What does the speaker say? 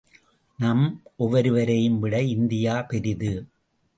நம் ஒவ்வொருவரையும் விட இந்தியா பெரிது!